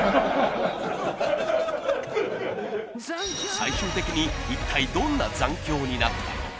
最終的に一体どんな「残響」になったのか？